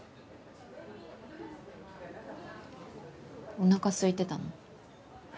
おなかすいてたの？